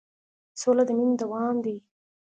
سوله د مینې دوام دی.